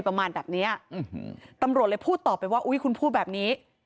ประมาณแบบเนี้ยอืมตำรวจเลยพูดต่อไปว่าอุ้ยคุณพูดแบบนี้